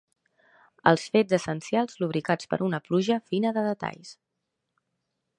Els fets essencials lubricats per una pluja fina de detalls.